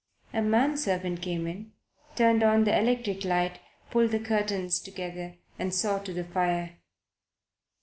A man servant came in, turned on the electric light, pulled the curtains together and saw to the fire.